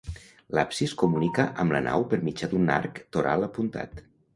L'absis comunica amb la nau per mitjà d'un arc toral apuntat.